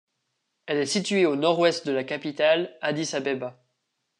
Elle est située au nord-ouest de la capitale, Addis-Abeba.